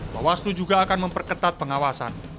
bawaslu juga akan memperketat pengawasan